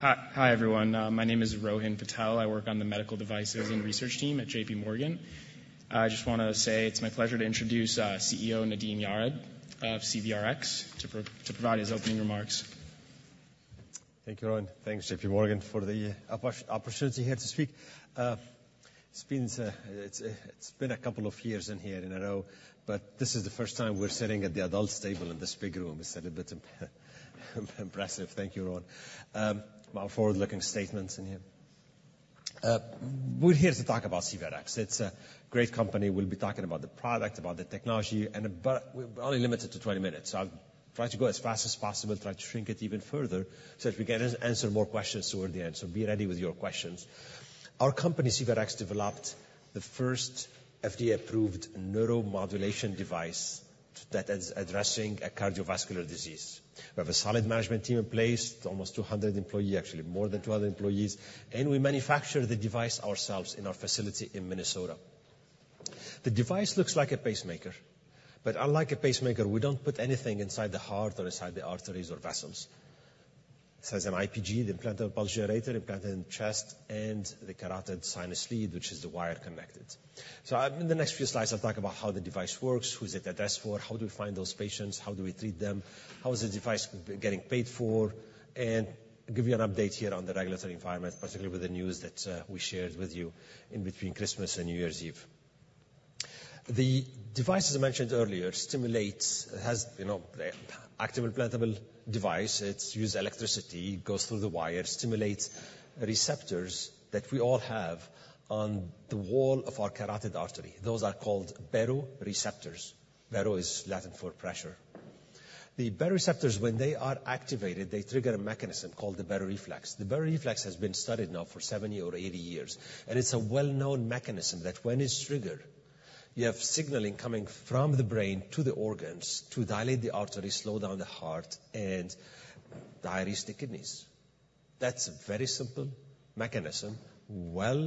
Hi, hi, everyone. My name is Rohin Patel. I work on the medical devices and research team at J.P. Morgan. I just wanna say it's my pleasure to introduce CEO Nadim Yared of CVRx to provide his opening remarks. Thank you, Rohin. Thanks, J.P. Morgan, for the opportunity here to speak. It's been a couple of years in a row here, but this is the first time we're sitting at the adult table in this big room. It's a little bit impressive. Thank you, everyone. Well, forward-looking statements in here. We're here to talk about CVRx. It's a great company. We'll be talking about the product, about the technology, and but we're only limited to 20 minutes, so I'll try to go as fast as possible, try to shrink it even further, so if we can answer more questions toward the end. So be ready with your questions. Our company, CVRx, developed the first FDA-approved neuromodulation device that is addressing a cardiovascular disease. We have a solid management team in place, almost 200 employee, actually more than 200 employees, and we manufacture the device ourselves in our facility in Minnesota. The device looks like a pacemaker, but unlike a pacemaker, we don't put anything inside the heart or inside the arteries or vessels. This has an IPG, the implantable pulse generator, implanted in the chest, and the carotid sinus lead, which is the wire connected. So I-- in the next few slides, I'll talk about how the device works, who is it addressed for, how do we find those patients, how do we treat them, how is the device getting paid for, and give you an update here on the regulatory environment, particularly with the news that we shared with you in between Christmas and New Year's Eve. The device, as I mentioned earlier, stimulates... It has, you know, an active implantable device. It uses electricity, goes through the wire, stimulates receptors that we all have on the wall of our carotid artery. Those are called baroreceptors. Baro is Latin for pressure. The baroreceptors, when they are activated, they trigger a mechanism called the baroreflex. The baroreflex has been studied now for 70 or 80 years, and it's a well-known mechanism that when it's triggered, you have signaling coming from the brain to the organs to dilate the artery, slow down the heart, and dilates the kidneys. That's a very simple mechanism, well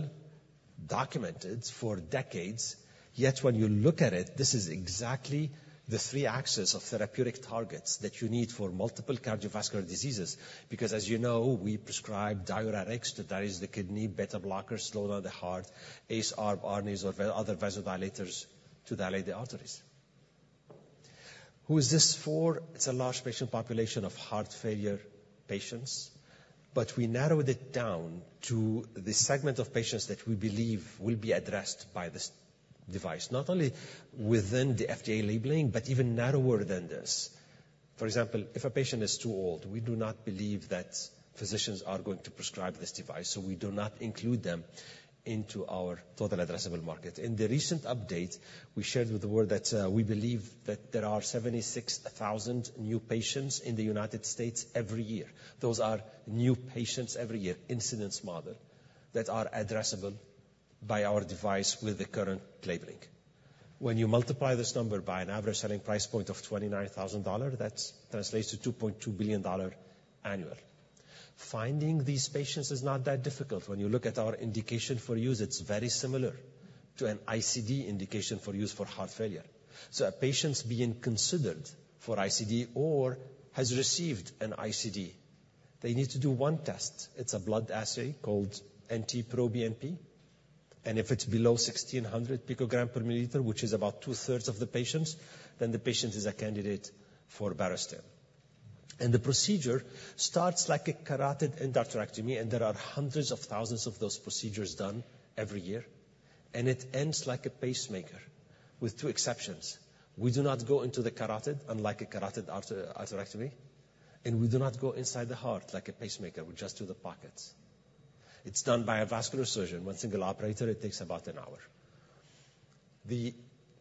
documented for decades. Yet when you look at it, this is exactly the three axes of therapeutic targets that you need for multiple cardiovascular diseases, because as you know, we prescribe diuretics to dilate the kidney, beta blockers, slow down the heart, ACE, ARB, ARNIs or other vasodilators to dilate the arteries. Who is this for? It's a large patient population of heart failure patients, but we narrowed it down to the segment of patients that we believe will be addressed by this device, not only within the FDA labeling, but even narrower than this. For example, if a patient is too old, we do not believe that physicians are going to prescribe this device, so we do not include them into our total addressable market. In the recent update, we shared with the world that we believe that there are 76,000 new patients in the United States every year. Those are new patients every year, incidence model, that are addressable by our device with the current labeling. When you multiply this number by an average selling price point of $29,000, that translates to $2.2 billion annual. Finding these patients is not that difficult. When you look at our indication for use, it's very similar to an ICD indication for use for heart failure. So a patient's being considered for ICD or has received an ICD. They need to do one test. It's a blood assay called NT-proBNP, and if it's below 1,600 picogram per milliliter, which is about 2/3 of the patients, then the patient is a candidate for Barostim. And the procedure starts like a carotid endarterectomy, and there are hundreds of thousands of those procedures done every year, and it ends like a pacemaker, with two exceptions. We do not go into the carotid, unlike a carotid endarterectomy, and we do not go inside the heart like a pacemaker. We just do the pockets. It's done by a vascular surgeon, one single operator. It takes about an hour. The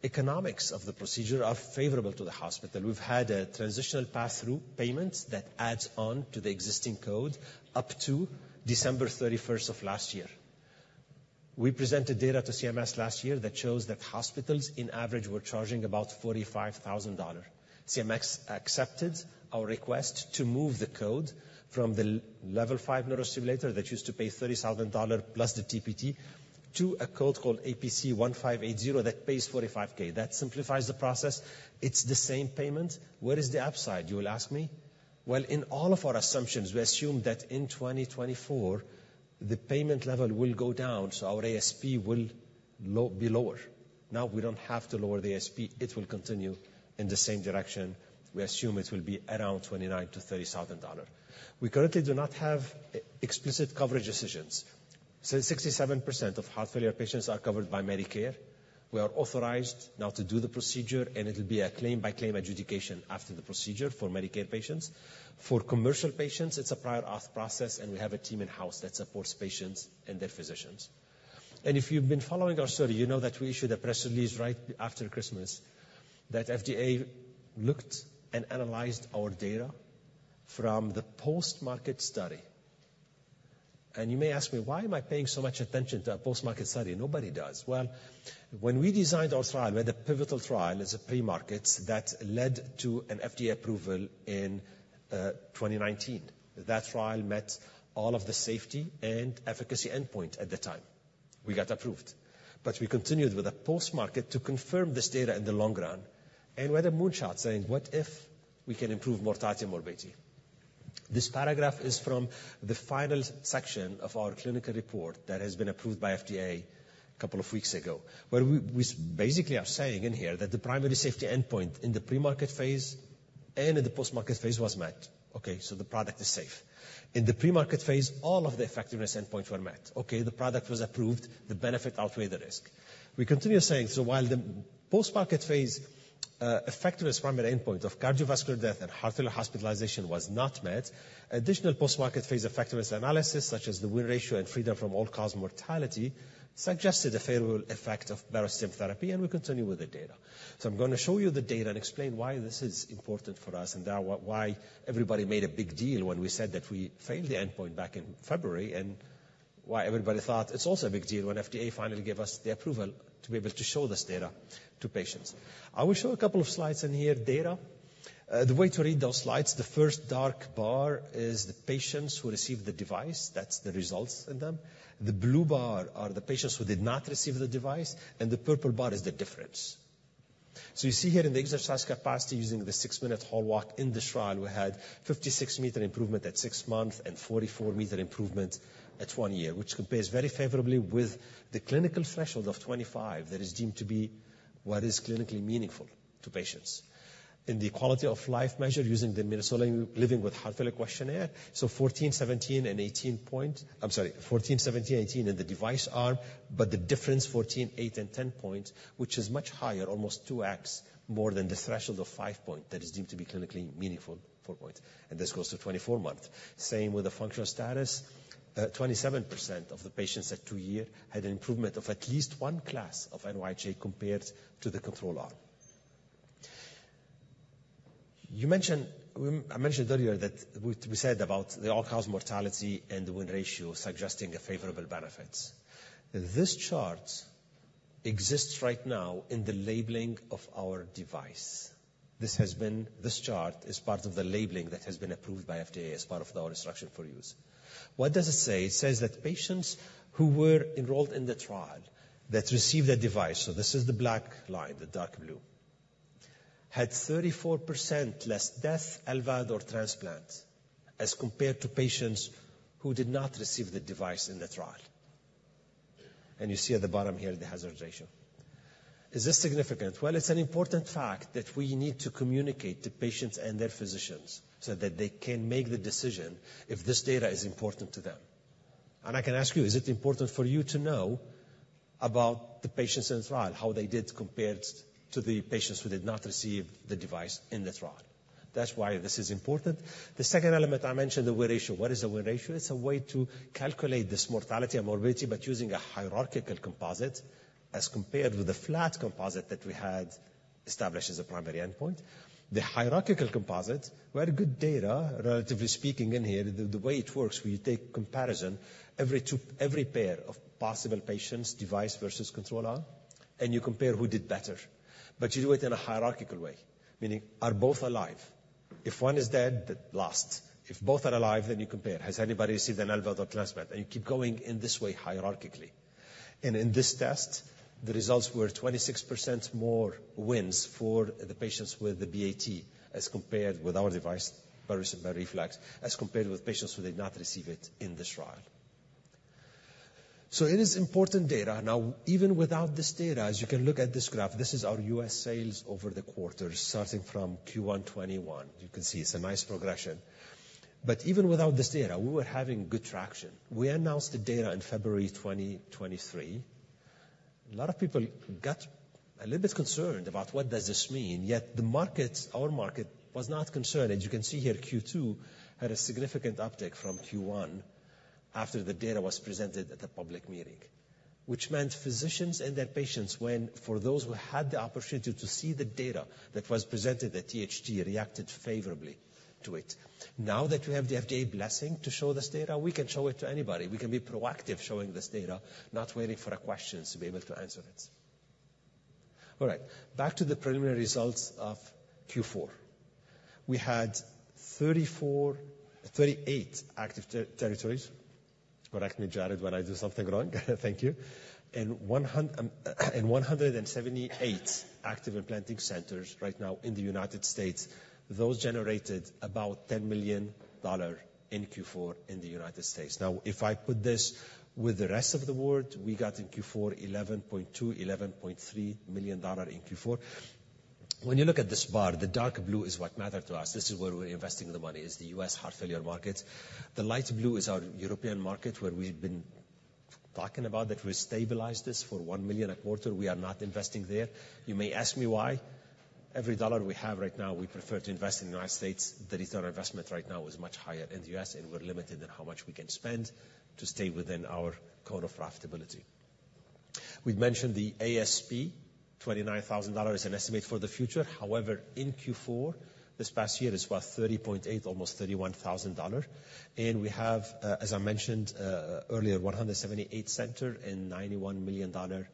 economics of the procedure are favorable to the hospital. We've had a transitional pass-through payment that adds on to the existing code up to December 31st of last year. We presented data to CMS last year that shows that hospitals, in average, were charging about $45,000. CMS accepted our request to move the code from the level 5 neurostimulator that used to pay $30,000 plus the TPT, to a code called APC 1580 that pays $45K. That simplifies the process. It's the same payment. "Where is the upside?" you will ask me. Well, in all of our assumptions, we assume that in 2024, the payment level will go down, so our ASP will be lower. Now, we don't have to lower the ASP. It will continue in the same direction. We assume it will be around $29,000-$30,000. We currently do not have explicit coverage decisions. So 67% of heart failure patients are covered by Medicare. We are authorized now to do the procedure, and it will be a claim-by-claim adjudication after the procedure for Medicare patients. For commercial patients, it's a prior auth process, and we have a team in-house that supports patients and their physicians. And if you've been following our study, you know that we issued a press release right after Christmas, that FDA looked and analyzed our data from the post-market study. You may ask me, "Why am I paying so much attention to a post-market study? Nobody does." Well, when we designed our trial, we had a pivotal trial as a pre-market that led to an FDA approval in 2019. That trial met all of the safety and efficacy endpoint at the time. We got approved. But we continued with a post-market to confirm this data in the long run, and with a moonshot saying, "What if we can improve mortality and morbidity?" This paragraph is from the final section of our clinical report that has been approved by FDA a couple of weeks ago, where we basically are saying in here that the primary safety endpoint in the pre-market phase and in the post-market phase was met. Okay, so the product is safe. In the pre-market phase, all of the effectiveness endpoints were met. Okay, the product was approved. The benefit outweighed the risk. We continue saying, so while the post-market phase, effectiveness primary endpoint of cardiovascular death and heart failure hospitalization was not met, additional post-market phase effectiveness analysis, such as the win ratio and freedom from all-cause mortality, suggested a favorable effect of Barostim therapy, and we continue with the data. So I'm gonna show you the data and explain why this is important for us, and now why, why everybody made a big deal when we said that we failed the endpoint back in February, and why everybody thought it's also a big deal when FDA finally gave us the approval to be able to show this data to patients. I will show a couple of slides in here, data. The way to read those slides, the first dark bar is the patients who received the device. That's the results in them. The blue bar are the patients who did not receive the device, and the purple bar is the difference. So you see here in the exercise capacity, using the six-minute hall walk in the trial, we had 56-meter improvement at 6 months and 44-meter improvement at 1 year, which compares very favorably with the clinical threshold of 25 that is deemed to be what is clinically meaningful to patients. In the quality of life measure, using the Minnesota Living with Heart Failure Questionnaire, so 14, 17, and 18 point... I'm sorry, 14, 8, and 10 points, which is much higher, almost 2x more than the threshold of 5 point that is deemed to be clinically meaningful, 4 points, and this goes to 24 months. Same with the functional status. 27% of the patients at 2-year had an improvement of at least one class of NYHA compared to the control arm. You mentioned - I mentioned earlier that we said about the all-cause mortality and the win ratio suggesting a favorable benefits. This chart exists right now in the labeling of our device. This chart is part of the labeling that has been approved by FDA as part of our instruction for use. What does it say? It says that patients who were enrolled in the trial that received the device, so this is the black line, the dark blue, had 34% less death, LVAD, or transplant, as compared to patients who did not receive the device in the trial. And you see at the bottom here, the hazard ratio. Is this significant? Well, it's an important fact that we need to communicate to patients and their physicians, so that they can make the decision if this data is important to them. And I can ask you, is it important for you to know about the patients in the trial, how they did compared to the patients who did not receive the device in the trial? That's why this is important. The second element, I mentioned the win ratio. What is a win ratio? It's a way to calculate this mortality and morbidity, but using a hierarchical composite as compared with the flat composite that we had established as a primary endpoint. The hierarchical composite, very good data, relatively speaking, in here. The way it works, we take comparison, every pair of possible patients, device versus control arm, and you compare who did better. But you do it in a hierarchical way, meaning, are both alive? If one is dead, that last. If both are alive, then you compare, has anybody received an LVAD or transplant? And you keep going in this way, hierarchically. And in this test, the results were 26% more wins for the patients with the BAT, as compared with our device, Barostim ReFlex, as compared with patients who did not receive it in this trial. So it is important data. Now, even without this data, as you can look at this graph, this is our U.S. sales over the quarters, starting from Q1 2021. You can see it's a nice progression. But even without this data, we were having good traction. We announced the data in February 2023. A lot of people got a little bit concerned about what does this mean, yet the market, our market, was not concerned. As you can see here, Q2 had a significant uptick from Q1 after the data was presented at the public meeting, which meant physicians and their patients, for those who had the opportunity to see the data that was presented at THT, reacted favorably to it. Now that we have the FDA blessing to show this data, we can show it to anybody. We can be proactive showing this data, not waiting for the questions to be able to answer it. All right, back to the preliminary results of Q4. We had 38 active territories. Correct me, Jared, when I do something wrong. Thank you. And 178 active implanting centers right now in the United States. Those generated about $10 million in Q4 in the United States. Now, if I put this with the rest of the world, we got in Q4, $11.2-$11.3 million in Q4. When you look at this bar, the dark blue is what matter to us. This is where we're investing the money, is the U.S. heart failure markets. The light blue is our European market, where we've been talking about that we stabilize this for $1 million a quarter. We are not investing there. You may ask me why. Every dollar we have right now, we prefer to invest in the United States. The return on investment right now is much higher in the U.S., and we're limited in how much we can spend to stay within our code of profitability. We've mentioned the ASP, $29,000 is an estimate for the future. However, in Q4, this past year, it's worth $30.8, almost $31,000. And we have, as I mentioned, earlier, 178 centers and $91 million dollars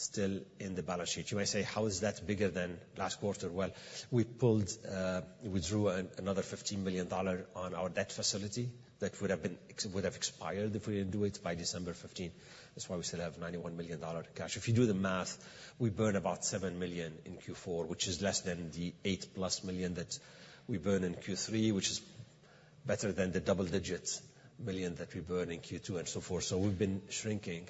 still in the balance sheet. You may say, "How is that bigger than last quarter?" Well, we pulled, we drew another $15 million on our debt facility. That would have been, it would have expired if we didn't do it by December 15. That's why we still have $91 million cash. If you do the math, we burn about $7 million in Q4, which is less than the $8+ million that we burned in Q3, which is better than the double digits million that we burned in Q2, and so forth. So we've been shrinking,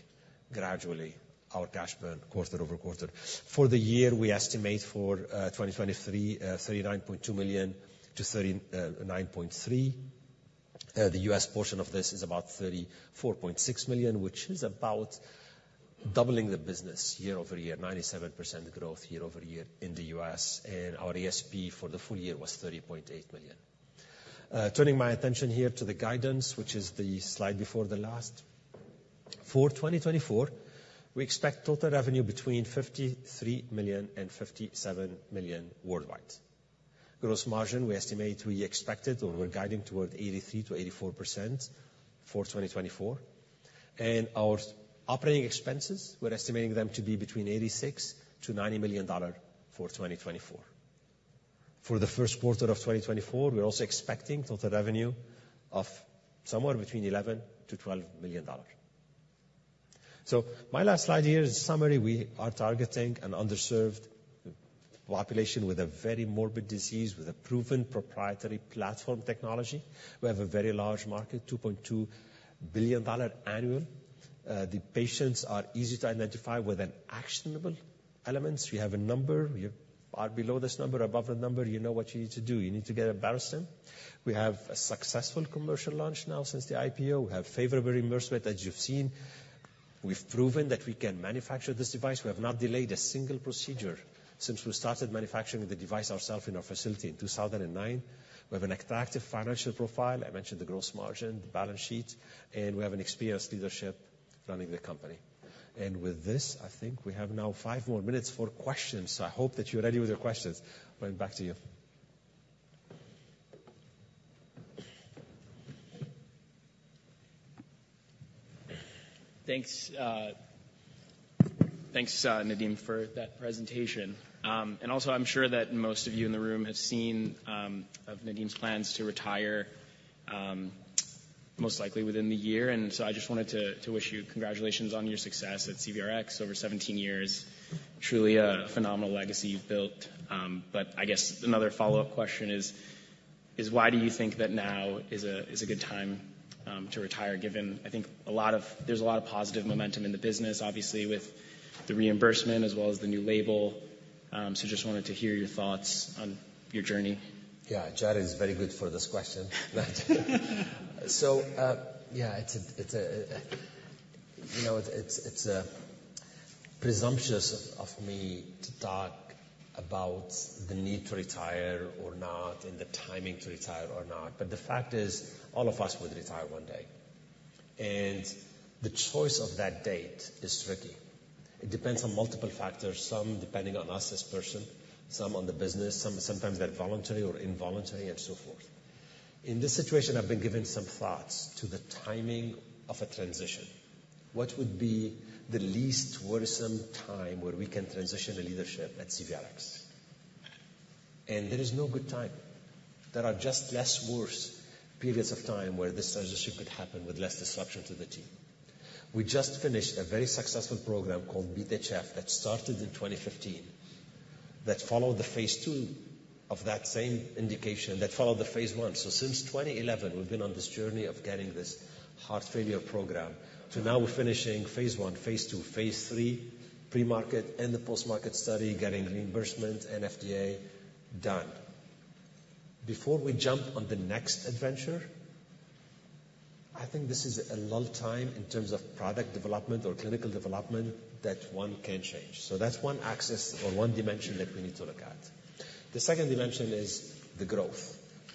gradually, our cash burn quarter over quarter. For the year, we estimate for 2023, $39.2 million-$39.3 million. The US portion of this is about $34.6 million, which is about doubling the business year-over-year, 97% growth year-over-year in the US, and our ASP for the full year was $30.8 million. Turning my attention here to the guidance, which is the slide before the last. For 2024, we expect total revenue between $53 million and $57 million worldwide. Gross margin, we estimate, we expected or we're guiding towards 83%-84% for 2024. And our operating expenses, we're estimating them to be between $86 million-$90 million for 2024. For the first quarter of 2024, we're also expecting total revenue of somewhere between $11 million-$12 million. So my last slide here is summary. We are targeting an underserved population with a very morbid disease, with a proven proprietary platform technology. We have a very large market, $2.2 billion annual. The patients are easy to identify with an actionable elements. We have a number. We are below this number, above the number, you know what you need to do. You need to get a Barostim. We have a successful commercial launch now since the IPO. We have favorable reimbursement, as you've seen. We've proven that we can manufacture this device. We have not delayed a single procedure since we started manufacturing the device ourselves in our facility in 2009. We have an attractive financial profile. I mentioned the gross margin, the balance sheet, and we have an experienced leadership running the company. With this, I think we have now 5 more minutes for questions, so I hope that you're ready with your questions. Went back to you. Thanks, Nadim, for that presentation. And also, I'm sure that most of you in the room have seen of Nadim's plans to retire, most likely within the year. And so I just wanted to wish you congratulations on your success at CVRx over 17 years. Truly a phenomenal legacy you've built. But I guess another follow-up question is why do you think that now is a good time to retire, given I think a lot of—there's a lot of positive momentum in the business, obviously, with the reimbursement as well as the new label? So just wanted to hear your thoughts on your journey. Yeah, Jared is very good for this question. So, yeah, it's a, you know, it's presumptuous of me to talk about the need to retire or not, and the timing to retire or not, but the fact is all of us will retire one day, and the choice of that date is tricky. It depends on multiple factors, some depending on us as person, some on the business, sometimes they're voluntary or involuntary, and so forth. In this situation, I've been giving some thoughts to the timing of a transition. What would be the least worrisome time where we can transition the leadership at CVRx? And there is no good time. There are just less worse periods of time where this transition could happen with less disruption to the team. We just finished a very successful program called BeAT-HF, that started in 2015, that followed the phase 2 of that same indication, that followed the phase 1. So since 2011, we've been on this journey of getting this heart failure program. So now we're finishing phase 1, phase 2, phase 3, pre-market and the post-market study, getting reimbursement and FDA done. Before we jump on the next adventure, I think this is a long time in terms of product development or clinical development that one can change. So that's one axis or one dimension that we need to look at. The second dimension is the growth.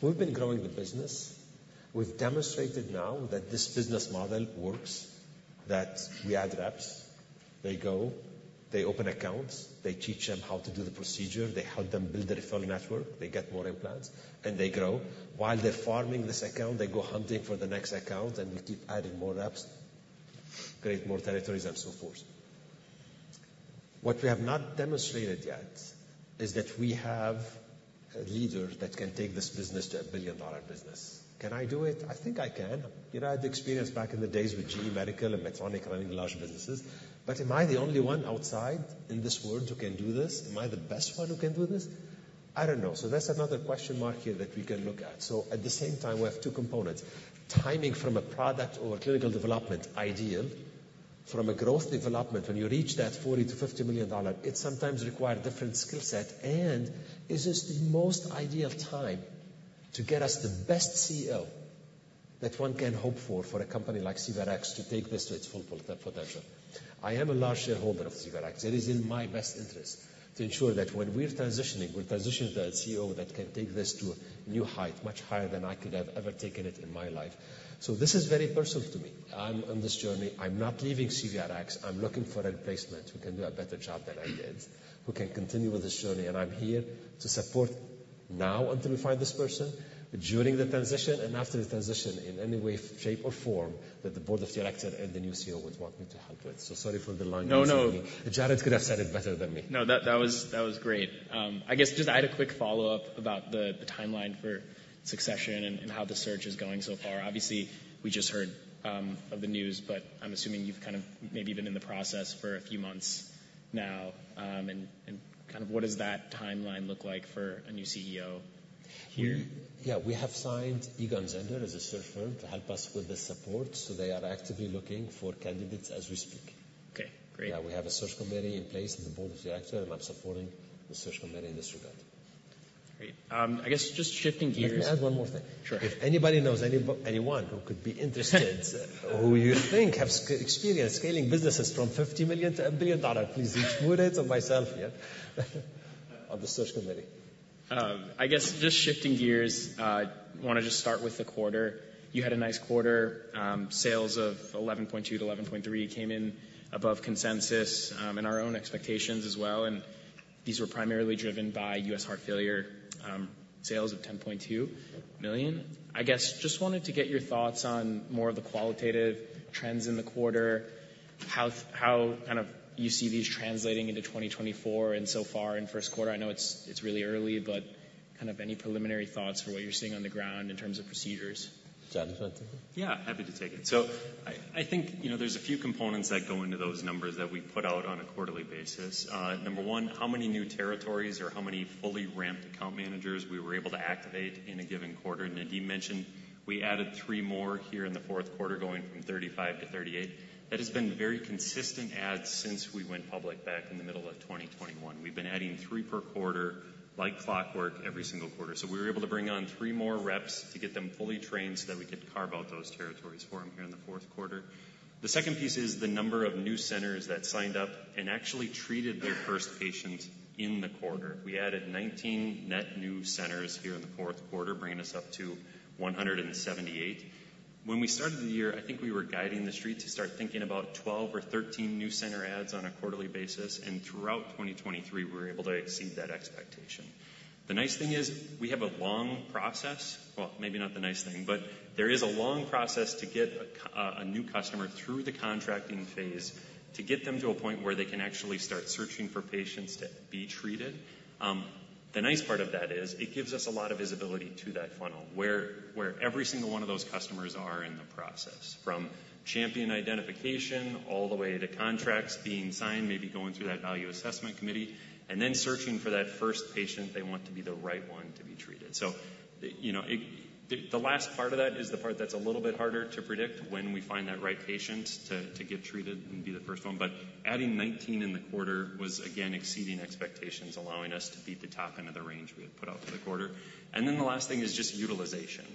We've been growing the business. We've demonstrated now that this business model works, that we add reps, they go, they open accounts, they teach them how to do the procedure, they help them build a referral network, they get more implants, and they grow. While they're farming this account, they go hunting for the next account, and we keep adding more reps, create more territories, and so forth. What we have not demonstrated yet is that we have a leader that can take this business to a billion-dollar business. Can I do it? I think I can. I had the experience back in the days with GE Healthcare and Medtronic running large businesses. But am I the only one outside in this world who can do this? Am I the best one who can do this? I don't know. So that's another question mark here that we can look at. So at the same time, we have two components: timing from a product or clinical development, ideal. From a growth development, when you reach that $40 million-$50 million, it sometimes require different skill set. Is this the most ideal time to get us the best CEO that one can hope for, for a company like CVRx to take this to its full potential? I am a large shareholder of CVRx. It is in my best interest to ensure that when we're transitioning, we transition to a CEO that can take this to a new height, much higher than I could have ever taken it in my life. So this is very personal to me. I'm on this journey. I'm not leaving CVRx. I'm looking for a replacement who can do a better job than I did, who can continue with this journey, and I'm here to support now until we find this person, during the transition, and after the transition, in any way, shape, or form that the board of directors and the new CEO would want me to help with. So sorry for the long- No, no. Jared could have said it better than me. No, that was great. I guess just I had a quick follow-up about the timeline for succession and how the search is going so far. Obviously, we just heard of the news, but I'm assuming you've kind of maybe been in the process for a few months now. And kind of what does that timeline look like for a new CEO here? Yeah, we have signed Egon Zehnder as a search firm to help us with the support, so they are actively looking for candidates as we speak. Okay, great. Yeah, we have a search committee in place, and the board of directors, and I'm supporting the search committee in this regard. Great. I guess just shifting gears- Let me add one more thing. Sure. If anybody knows anyone who could be interested, who you think have experience scaling businesses from $50 million-$1 billion, please reach out to myself here, of the search committee. I guess just shifting gears, wanna just start with the quarter. You had a nice quarter. Sales of $11.2-$11.3 million came in above consensus, and our own expectations as well, and these were primarily driven by U.S. heart failure sales of $10.2 million. I guess, just wanted to get your thoughts on more of the qualitative trends in the quarter. How kind of you see these translating into 2024 and so far in first quarter? I know it's, it's really early, but kind of any preliminary thoughts for what you're seeing on the ground in terms of procedures? Jared, you want to take it? Yeah, happy to take it. So I think, you know, there's a few components that go into those numbers that we put out on a quarterly basis. Number one, how many new territories or how many fully ramped account managers we were able to activate in a given quarter? nd Nadim mentioned we added 3 more here in the fourth quarter, going from 35-38. That has been very consistent adds since we went public back in the middle of 2021. We've been adding 3 per quarter, like clockwork, every single quarter. So we were able to bring on 3 more reps to get them fully trained so that we could carve out those territories for them here in the fourth quarter. The second piece is the number of new centers that signed up and actually treated their first patient in the quarter. We added 19 net new centers here in the fourth quarter, bringing us up to 178. When we started the year, I think we were guiding the street to start thinking about 12 or 13 new center adds on a quarterly basis, and throughout 2023, we were able to exceed that expectation. The nice thing is, we have a long process. Well, maybe not the nice thing, but there is a long process to get a new customer through the contracting phase, to get them to a point where they can actually start searching for patients to be treated. The nice part of that is, it gives us a lot of visibility to that funnel, where every single one of those customers are in the process, from champion identification all the way to contracts being signed, maybe going through that value assessment committee, and then searching for that first patient they want to be the right one to be treated. So, you know, it. The last part of that is the part that's a little bit harder to predict when we find that right patient to get treated and be the first one. But adding 19 in the quarter was, again, exceeding expectations, allowing us to beat the top end of the range we had put out for the quarter. And then the last thing is just utilization.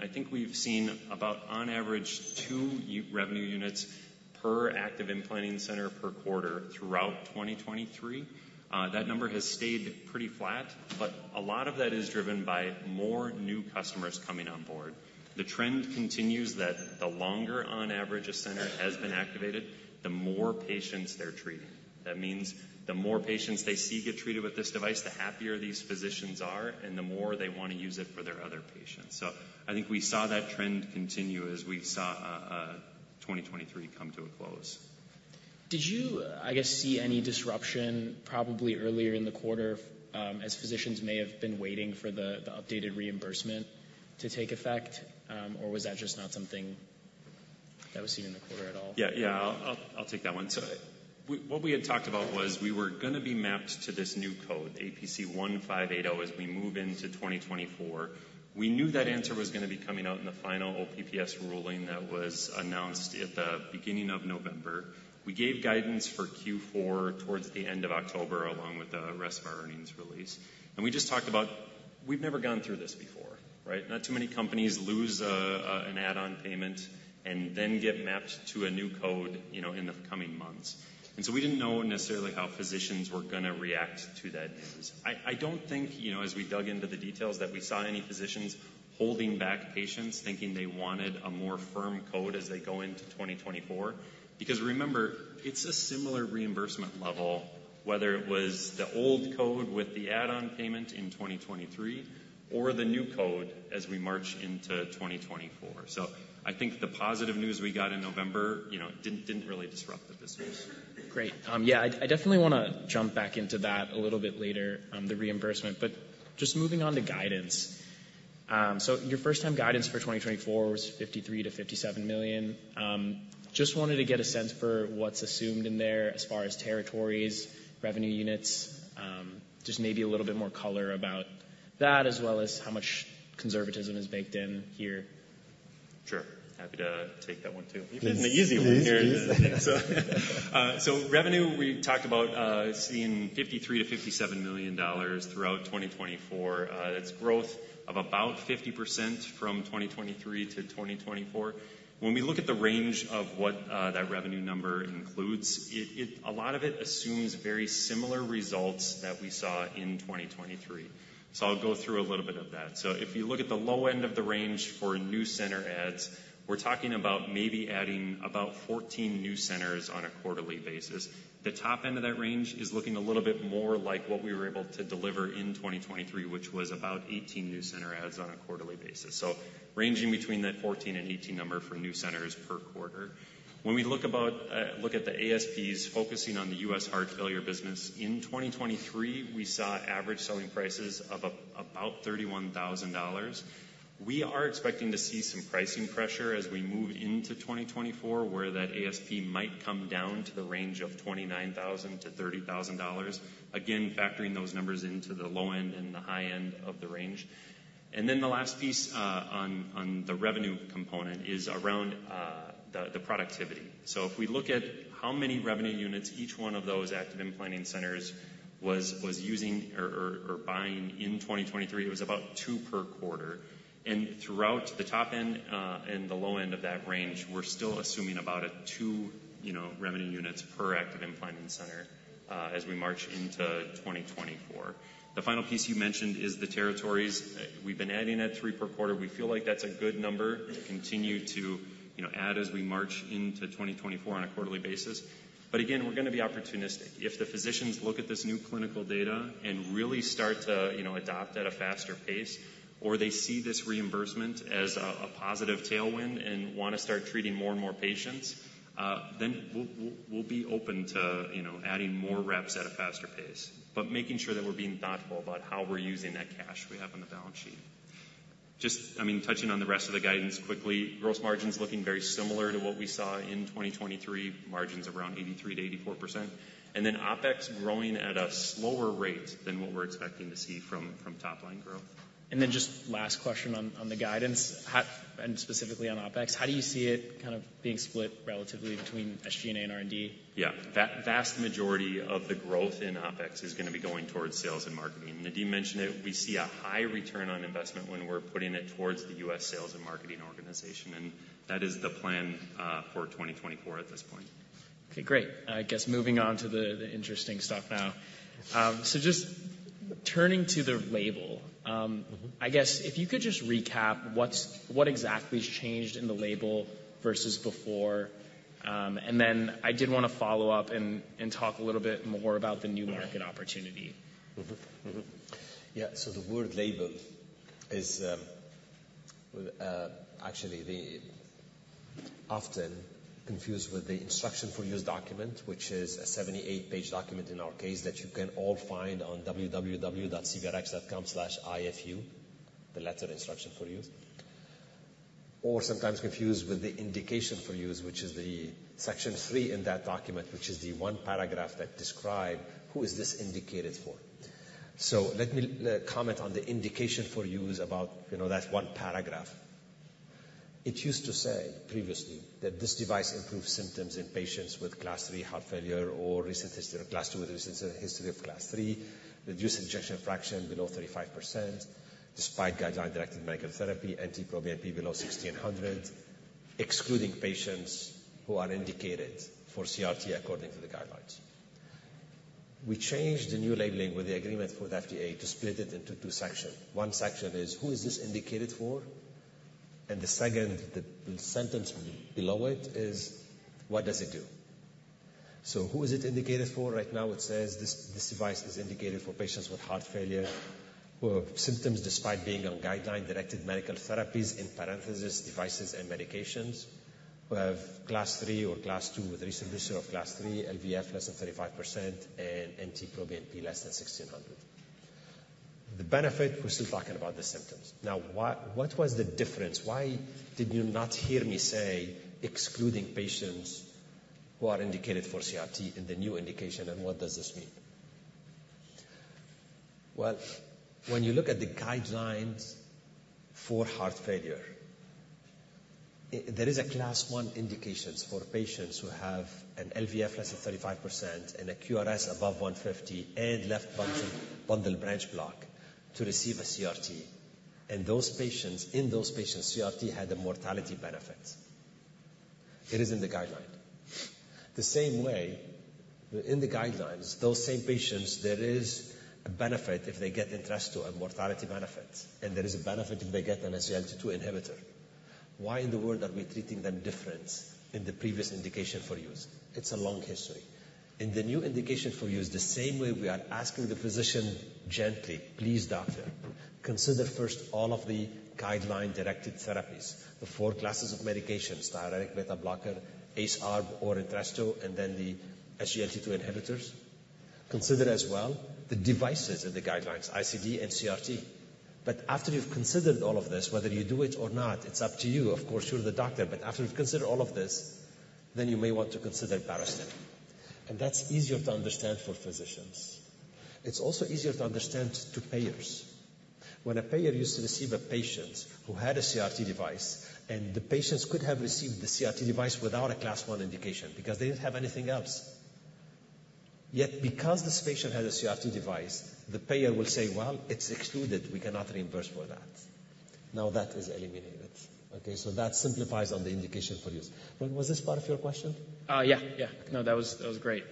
I think we've seen about on average, two revenue units per active implanting center per quarter throughout 2023. That number has stayed pretty flat, but a lot of that is driven by more new customers coming on board. The trend continues that the longer on average a center has been activated, the more patients they're treating. That means the more patients they see get treated with this device, the happier these physicians are, and the more they want to use it for their other patients. I think we saw that trend continue as we saw 2023 come to a close. Did you, I guess, see any disruption, probably earlier in the quarter, as physicians may have been waiting for the updated reimbursement to take effect? Or was that just not something that was seen in the quarter at all? Yeah, yeah, I'll, I'll take that one. So, what we had talked about was we were gonna be mapped to this new code, APC 1580, as we move into 2024. We knew that answer was gonna be coming out in the final OPPS ruling that was announced at the beginning of November. We gave guidance for Q4 towards the end of October, along with the rest of our earnings release. And we just talked about... We've never gone through this before, right? Not too many companies lose a, a, an add-on payment and then get mapped to a new code, you know, in the coming months. And so we didn't know necessarily how physicians were gonna react to that news. I don't think, you know, as we dug into the details, that we saw any physicians holding back patients, thinking they wanted a more firm code as they go into 2024. Because remember, it's a similar reimbursement level, whether it was the old code with the add-on payment in 2023 or the new code as we march into 2024. So I think the positive news we got in November, you know, didn't really disrupt the business. Great. Yeah, I, I definitely wanna jump back into that a little bit later, the reimbursement. But just moving on to guidance. So your first-time guidance for 2024 was $53 million-$57 million. Just wanted to get a sense for what's assumed in there as far as territories, revenue units, just maybe a little bit more color about that, as well as how much conservatism is baked in here?... Sure, happy to take that one, too. You've given the easy one here. So, so revenue, we talked about, seeing $53 million-$57 million throughout 2024. That's growth of about 50% from 2023 to 2024. When we look at the range of what, that revenue number includes, it, it - a lot of it assumes very similar results that we saw in 2023. So I'll go through a little bit of that. So if you look at the low end of the range for new center adds, we're talking about maybe adding about 14 new centers on a quarterly basis. The top end of that range is looking a little bit more like what we were able to deliver in 2023, which was about 18 new center adds on a quarterly basis. So ranging between that 14 and 18 number for new centers per quarter. When we look at the ASPs, focusing on the U.S. heart failure business, in 2023, we saw average selling prices of about $31,000. We are expecting to see some pricing pressure as we move into 2024, where that ASP might come down to the range of $29,000-$30,000. Again, factoring those numbers into the low end and the high end of the range. And then the last piece on the revenue component is around the productivity. So if we look at how many revenue units each one of those active implanting centers was using or buying in 2023, it was about 2 per quarter. Throughout the top end and the low end of that range, we're still assuming about a 2, you know, revenue units per active implanting center, as we march into 2024. The final piece you mentioned is the territories. We've been adding at 3 per quarter. We feel like that's a good number to continue to, you know, add as we march into 2024 on a quarterly basis. But again, we're gonna be opportunistic. If the physicians look at this new clinical data and really start to, you know, adopt at a faster pace, or they see this reimbursement as a positive tailwind and want to start treating more and more patients, then we'll be open to, you know, adding more reps at a faster pace. But making sure that we're being thoughtful about how we're using that cash we have on the balance sheet. Just, I mean, touching on the rest of the guidance quickly, gross margins looking very similar to what we saw in 2023, margins around 83%-84%, and then OpEx growing at a slower rate than what we're expecting to see from top-line growth. Then just last question on the guidance, how... And specifically on OpEx, how do you see it kind of being split relatively between SG&A and R&D? Yeah. Vast majority of the growth in OpEx is gonna be going towards sales and marketing. Nadim mentioned it, we see a high return on investment when we're putting it towards the U.S. sales and marketing organization, and that is the plan for 2024 at this point. Okay, great. I guess moving on to the interesting stuff now. So just turning to the label. Mm-hmm. I guess if you could just recap what's, what exactly's changed in the label versus before, and then I did want to follow up and talk a little bit more about the new market opportunity. Mm-hmm. Mm-hmm. Yeah, so the word label is actually often confused with the instruction for use document, which is a 78-page document in our case, that you can all find on www.cvrx.com/ifu, the latter instruction for use, or sometimes confused with the indication for use, which is the section three in that document, which is the one paragraph that describe who is this indicated for. So let me comment on the indication for use about, you know, that one paragraph. It used to say previously that this device improves symptoms in patients with Class III heart failure or recent history of Class II with recent history of Class III, reduced ejection fraction below 35%, despite guideline-directed medical therapy, NT-proBNP below 1,600, excluding patients who are indicated for CRT according to the guidelines. We changed the new labeling with the agreement with FDA to split it into two sections. One section is, who is this indicated for? And the second, the sentence below it, is what does it do? So who is it indicated for? Right now, it says this, this device is indicated for patients with heart failure, who have symptoms despite being on guideline-directed medical therapies, in parentheses, devices and medications, who have Class III or Class II with recent history of Class III, LVEF less than 35%, and NT-proBNP less than 1,600. The benefit, we're still talking about the symptoms. Now, why, what was the difference? Why did you not hear me say, excluding patients who are indicated for CRT in the new indication, and what does this mean? Well, when you look at the guidelines for heart failure, there is a Class I indications for patients who have an LVEF less than 35% and a QRS above 150 and left bundle branch block to receive a CRT. And those patients, in those patients, CRT had a mortality benefit. It is in the guideline. The same way, in the guidelines, those same patients, there is a benefit if they get Entresto, a mortality benefit, and there is a benefit if they get an SGLT2 inhibitor. Why in the world are we treating them different in the previous indication for use? It's a long history. In the new indication for use, the same way we are asking the physician gently, "Please, doctor, consider first all of the guideline-directed therapies, the four classes of medications, diuretic, beta blocker, ACE, ARB, or Entresto, and then the SGLT2 inhibitors. Consider as well the devices and the guidelines, ICD and CRT. But after you've considered all of this, whether you do it or not, it's up to you. Of course, you're the doctor, but after you've considered all of this, then you may want to consider Barostim."... and that's easier to understand for physicians. It's also easier to understand to payers. When a payer used to receive a patient who had a CRT device, and the patients could have received the CRT device without a Class I indication because they didn't have anything else. Yet, because this patient had a CRT device, the payer will say, "Well, it's excluded. We cannot reimburse for that." Now, that is eliminated, okay? So that simplifies on the indication for use. Was this part of your question? Yeah. Yeah. No, that was, that was great.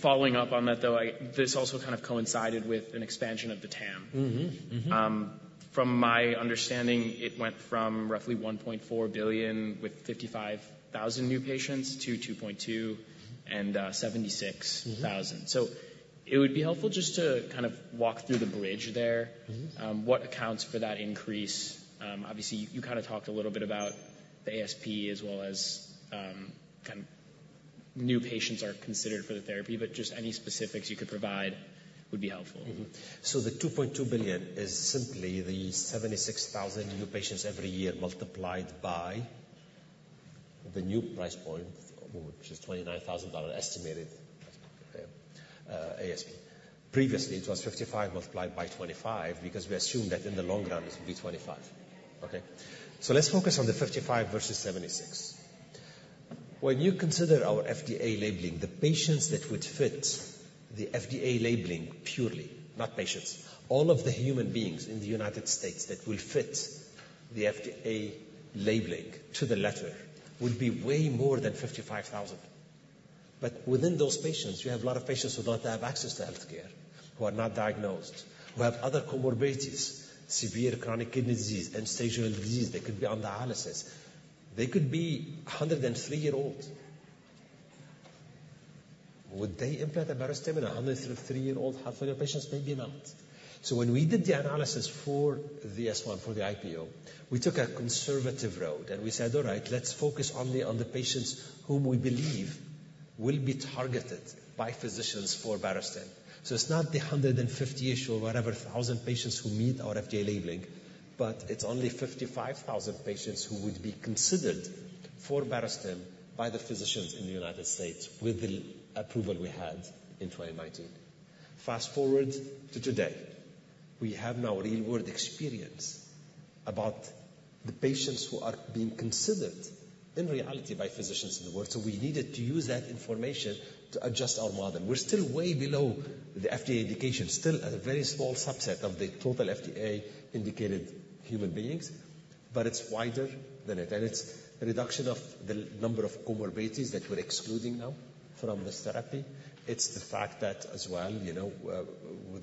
Following up on that, though, I... This also kind of coincided with an expansion of the TAM. Mm-hmm. Mm-hmm. From my understanding, it went from roughly $1.4 billion with 55,000 new patients to $2.2 billion and 76,000- Mm-hmm -So it would be helpful just to kind of walk through the bridge there. Mm-hmm. What accounts for that increase? Obviously, you kind of talked a little bit about the ASP as well as kind of new patients are considered for the therapy, but just any specifics you could provide would be helpful. Mm-hmm. So the $2.2 billion is simply the 76,000 new patients every year, multiplied by the new price point, which is $29,000 estimated ASP. Previously, it was 55 multiplied by 25 because we assumed that in the long run, it would be 25, okay? So let's focus on the 55 versus 76. When you consider our FDA labeling, the patients that would fit the FDA labeling, purely, not patients, all of the human beings in the United States that will fit the FDA labeling to the letter would be way more than 55,000. But within those patients, you have a lot of patients who do not have access to healthcare, who are not diagnosed, who have other comorbidities, severe chronic kidney disease, end-stage renal disease. They could be on dialysis. They could be 103-year-old. Would they implant a Barostim in a 103-year-old heart failure patient? Maybe not. So when we did the analysis for the S-1, for the IPO, we took a conservative road, and we said, "All right, let's focus only on the patients whom we believe will be targeted by physicians for Barostim." So it's not the 150-ish or whatever thousand patients who meet our FDA labeling, but it's only 55,000 patients who would be considered for Barostim by the physicians in the United States with the approval we had in 2019. Fast-forward to today, we have now real-world experience about the patients who are being considered in reality by physicians in the world. So we needed to use that information to adjust our model. We're still way below the FDA indication, still at a very small subset of the total FDA-indicated human beings, but it's wider than it. And it's a reduction of the number of comorbidities that we're excluding now from this therapy. It's the fact that as well, you know,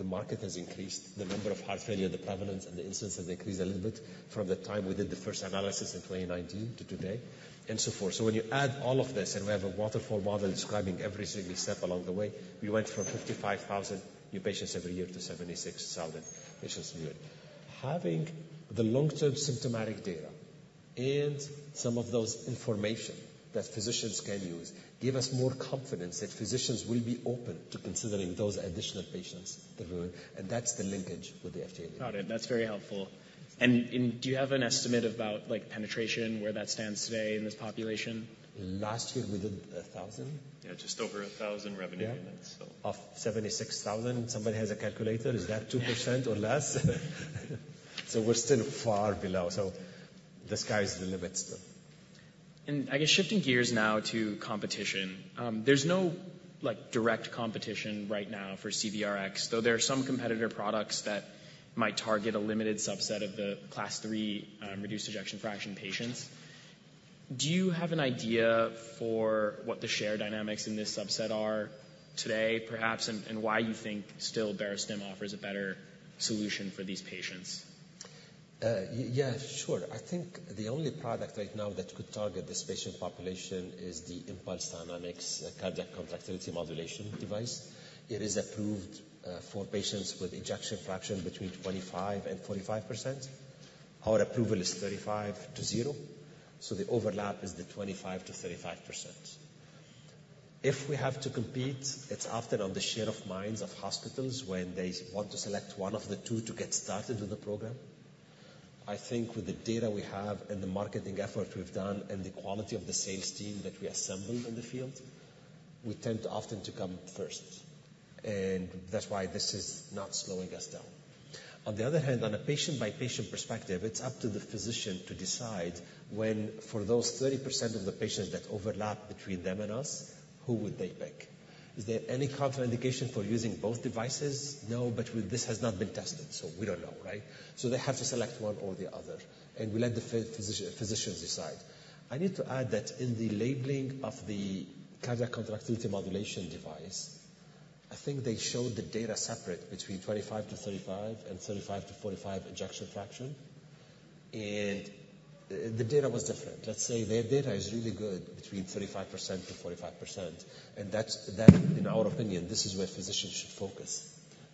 the market has increased, the number of heart failure, the prevalence and the incidence has increased a little bit from the time we did the first analysis in 2019 to today and so forth. So when you add all of this, and we have a waterfall model describing every single step along the way, we went from 55,000 new patients every year to 76,000 patients a year. Having the long-term symptomatic data and some of those information that physicians can use, give us more confidence that physicians will be open to considering those additional patients every year, and that's the linkage with the FDA. Got it. That's very helpful. And, do you have an estimate about, like, penetration, where that stands today in this population? Last year, we did 1,000. Yeah, just over $1,000 revenue. Yeah. So- Of 76,000. Somebody has a calculator? Is that 2% or less? So we're still far below, so the sky is the limit still. I guess shifting gears now to competition. There's no, like, direct competition right now for CVRx, though there are some competitor products that might target a limited subset of the Class three, reduced ejection fraction patients. Do you have an idea for what the share dynamics in this subset are today, perhaps, and why you think still Barostim offers a better solution for these patients? Yeah, sure. I think the only product right now that could target this patient population is the Impulse Dynamics Cardiac Contractility Modulation device. It is approved for patients with ejection fraction between 25%-45%. Our approval is 35 to 0, so the overlap is the 25%-35%. If we have to compete, it's often on the share of minds of hospitals when they want to select one of the two to get started with the program. I think with the data we have and the marketing effort we've done and the quality of the sales team that we assembled in the field, we tend to often to come first, and that's why this is not slowing us down. On the other hand, on a patient-by-patient perspective, it's up to the physician to decide when, for those 30% of the patients that overlap between them and us, who would they pick? Is there any contraindication for using both devices? No, but this has not been tested, so we don't know, right? So they have to select one or the other, and we let the physicians decide. I need to add that in the labeling of the Cardiac Contractility Modulation device, I think they showed the data separate between 25-35 and 35-45 ejection fraction, and the data was different. Let's say their data is really good between 35%-45%, and that's. In our opinion, this is where physicians should focus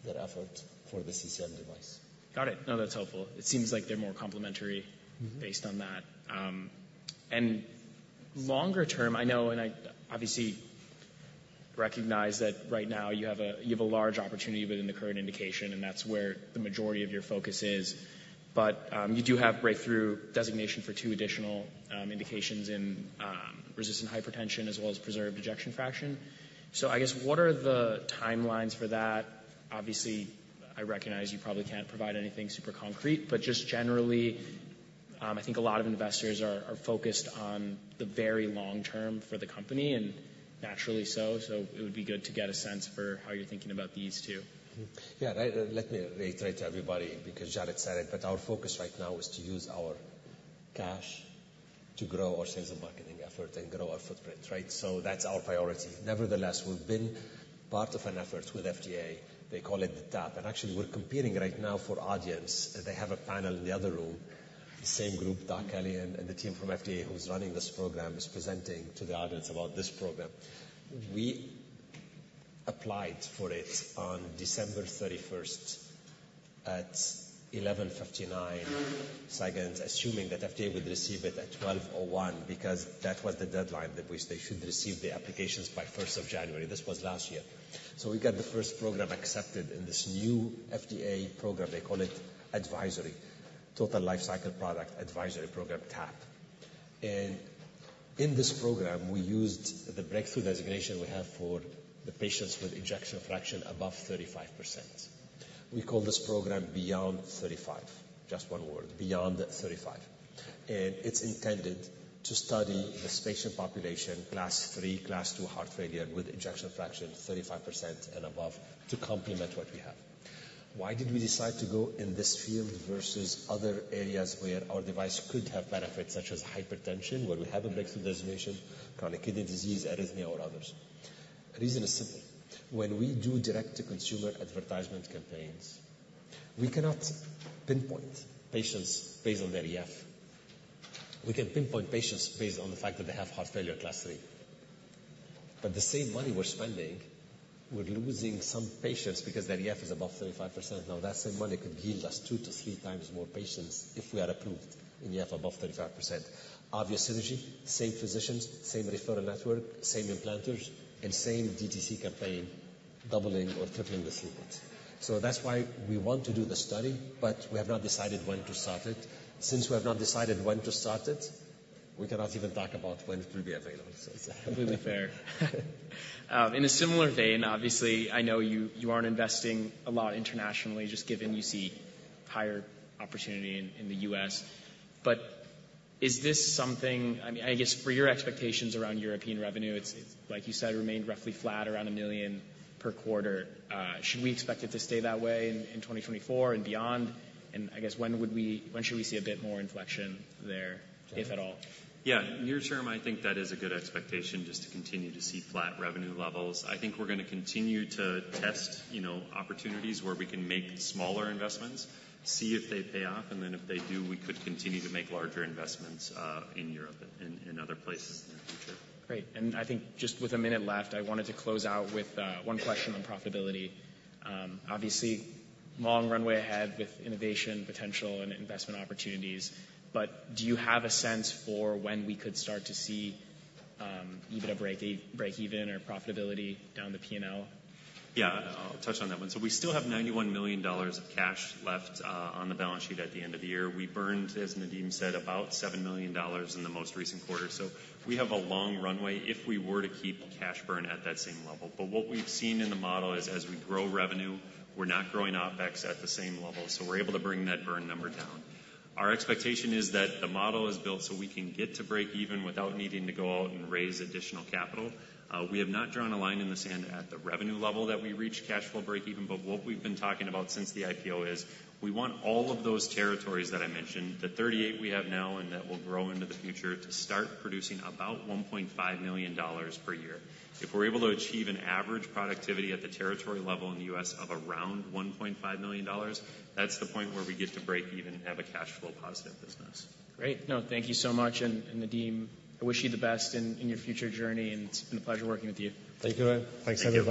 their effort for the CCM device. Got it. No, that's helpful. It seems like they're more complementary- Mm-hmm... based on that. And longer term, I know, and I obviously recognize that right now you have a, you have a large opportunity within the current indication, and that's where the majority of your focus is. But, you do have breakthrough designation for two additional indications in resistant hypertension as well as preserved ejection fraction. So I guess, what are the timelines for that? Obviously, I recognize you probably can't provide anything super concrete, but just generally, I think a lot of investors are, are focused on the very long term for the company, and naturally so. So it would be good to get a sense for how you're thinking about these two. Yeah, right. Let me reiterate to everybody, because Jared said it, but our focus right now is to use our cash to grow our sales and marketing effort and grow our footprint, right? So that's our priority. Nevertheless, we've been part of an effort with FDA. They call it the TAP, and actually, we're competing right now for audience. They have a panel in the other room, the same group, Doug Kelly and the team from FDA who's running this program, is presenting to the audience about this program. We applied for it on December 31st at 11:59 seconds, assuming that FDA would receive it at 12:01, because that was the deadline, that they should receive the applications by January 1. This was last year. So we got the first program accepted in this new FDA program. They call it the Total Lifecycle Product Advisory Program, TAP. In this program, we used the breakthrough designation we have for the patients with ejection fraction above 35%. We call this program Beyond 35. Just one word, Beyond 35, and it's intended to study this patient population, class three, class two heart failure, with ejection fraction 35% and above, to complement what we have. Why did we decide to go in this field versus other areas where our device could have benefits, such as hypertension, where we have a breakthrough designation, chronic kidney disease, arrhythmia, or others? The reason is simple: When we do direct-to-consumer advertisement campaigns, we cannot pinpoint patients based on their EF. We can pinpoint patients based on the fact that they have heart failure class three. But the same money we're spending, we're losing some patients because their EF is above 35%. Now, that same money could yield us 2-3 times more patients if we are approved in EF above 35%. Obvious synergy, same physicians, same referral network, same implanters, and same DTC campaign, doubling or tripling the throughput. So that's why we want to do the study, but we have not decided when to start it. Since we have not decided when to start it, we cannot even talk about when it will be available. Completely fair. In a similar vein, obviously, I know you, you aren't investing a lot internationally, just given you see higher opportunity in, in the US. But is this something... I mean, I guess, for your expectations around European revenue, it's, like you said, remained roughly flat, around $1 million per quarter. Should we expect it to stay that way in, in 2024 and beyond? And I guess when would we- when should we see a bit more inflection there, if at all? Yeah. Near term, I think that is a good expectation, just to continue to see flat revenue levels. I think we're gonna continue to test, you know, opportunities where we can make smaller investments, see if they pay off, and then if they do, we could continue to make larger investments in Europe and other places in the future. Great. And I think just with a minute left, I wanted to close out with one question on profitability. Obviously, long runway ahead with innovation, potential, and investment opportunities. But do you have a sense for when we could start to see EBITDA breakeven or profitability down the PNL? Yeah, I'll touch on that one. We still have $91 million of cash left on the balance sheet at the end of the year. We burned, as Nadim said, about $7 million in the most recent quarter. We have a long runway if we were to keep cash burn at that same level. But what we've seen in the model is, as we grow revenue, we're not growing OpEx at the same level, so we're able to bring that burn number down. Our expectation is that the model is built so we can get to breakeven without needing to go out and raise additional capital. We have not drawn a line in the sand at the revenue level that we reach cash flow breakeven, but what we've been talking about since the IPO is we want all of those territories that I mentioned, the 38 we have now and that will grow into the future, to start producing about $1.5 million per year. If we're able to achieve an average productivity at the territory level in the U.S. of around $1.5 million, that's the point where we get to breakeven and have a cash flow positive business. Great. No, thank you so much. And, Nadim, I wish you the best in your future journey, and it's been a pleasure working with you. Thank you. Thanks, everyone.